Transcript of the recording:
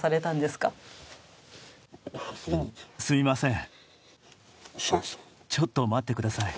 すいません、ちょっと待ってください。